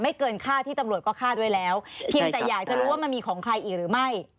เกินค่าที่ตำรวจก็ฆ่าด้วยแล้วเพียงแต่อยากจะรู้ว่ามันมีของใครอีกหรือไม่